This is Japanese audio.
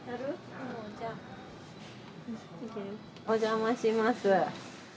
お邪魔します。